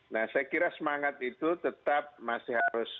nah saya kira semangat itu tetap masih harus